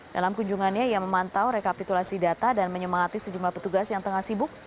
dalam kunjungannya ia memantau rekapitulasi data dan menyemangati sejumlah petugas yang tengah sibuk